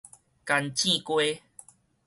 乾糋雞